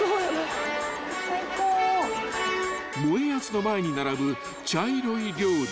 ［もえあずの前に並ぶ茶色い料理］